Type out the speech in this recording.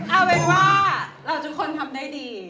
เอาเป็นว่าเราทุกคนทำได้ดี